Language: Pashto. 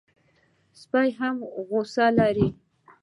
سپي غصه هم لري.